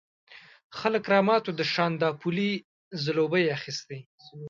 خلک رامات وو، د شانداپولي ځلوبۍ یې اخيستې.